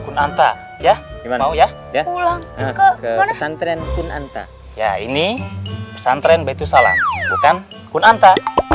kunanta ya gimana ya ya ini pesantren betul salah bukan kunanta